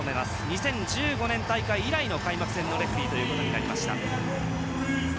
２０１５年大会以来の開幕戦のレフリーとなりました。